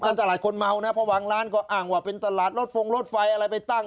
ตลาดคนเมานะเพราะบางร้านก็อ้างว่าเป็นตลาดรถฟงรถไฟอะไรไปตั้ง